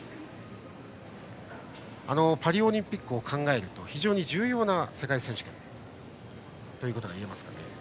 パリオリンピックを考えると非常に重要な世界選手権といえますかね。